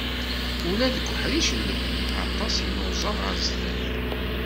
Ula deg uḥric n lebni, aṭas i nuẓa ɣar sdat.